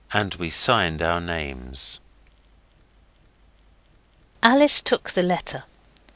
And we signed our names. Alice took the letter.